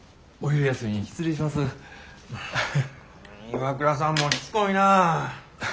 岩倉さんもしつこいなぁ。